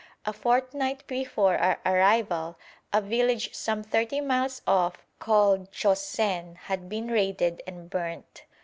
A fortnight before our arrival a village some thirty miles off called Xocen had been raided and burnt.